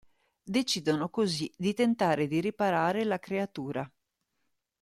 Decidono così di tentare di riparare la creatura.